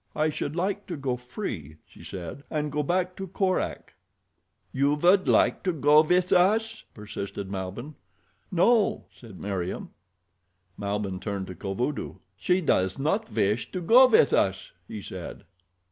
"I should like to go free," she said, "and go back to Korak." "You would like to go with us?" persisted Malbihn. "No," said Meriem. Malbihn turned to Kovudoo. "She does not wish to go with us," he said.